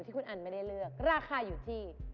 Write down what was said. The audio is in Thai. ที่คุณอันไม่ได้เลือกราคาอยู่ที่